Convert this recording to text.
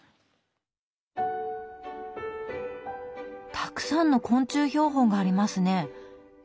たくさんの昆虫標本がありますね。